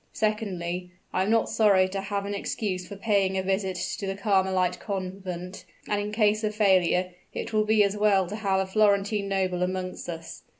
Secondly, I am not sorry to have an excuse for paying a visit to the Carmelite Convent; and in case of failure, it will be as well to have a Florentine noble amongst us.